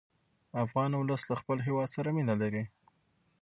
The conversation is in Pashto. افغان ولس له خپل هېواد سره مینه لري.